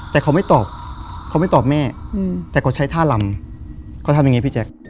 แต่เขาไม่ตอบแต่เขาทำยังไงพี่แจ๊ก